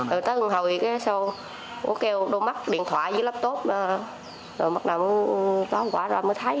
rồi tới hôm hồi cô kêu đô mắt điện thoại với laptop rồi bắt đầu có quả rồi mới thấy